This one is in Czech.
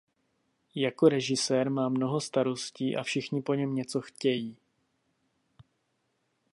Jako režisér má mnoho starostí a všichni po něm něco chtějí.